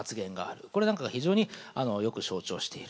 これなんかが非常によく象徴している。